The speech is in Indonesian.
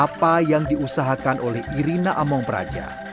apa yang diusahakan oleh irina among praja